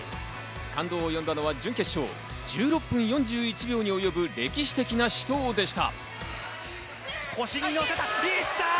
感動を呼んだのは準決勝、１６分４１秒に及ぶ歴史的な死闘でした。